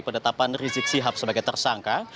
penetapan rizik sihab sebagai tersangka